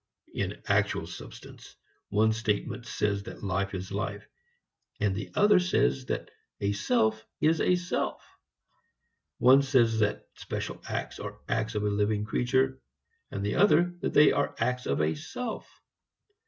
In actual substance, one statement says that life is life; and the other says that a self is a self. One says that special acts are acts of a living creature and the other that they are acts of a self.